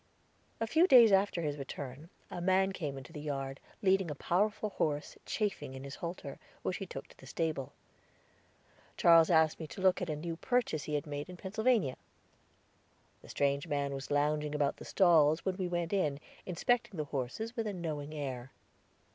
A few days after his return, a man came into the yard, leading a powerful horse chafing in his halter, which he took to the stable. Charles asked me to look at a new purchase he had made in Pennsylvania. The strange man was lounging about the stalls when we went in, inspecting the horses with a knowing air.